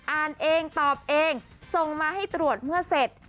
อ่านเองตอบเองส่งมาให้ตรวจเมื่อเสร็จ